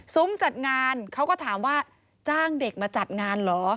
จัดงานเขาก็ถามว่าจ้างเด็กมาจัดงานเหรอ